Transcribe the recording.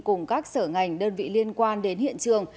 cùng các sở ngành đơn vị liên quan đến hiện trường